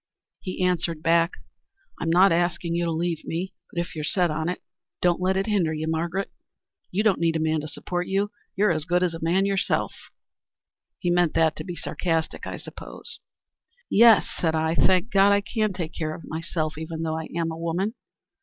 He answered back, 'I'm not asking you to leave me, but if you're set on it don't let me hinder you, Margaret. You don't need a man to support you. You're as good as a man yourself.' He meant that to be sarcastic, I suppose. 'Yes,' said I, 'thank God, I think I can take care of myself, even though I am a woman.'